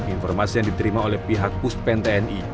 informasi yang diterima oleh pihak puspen tni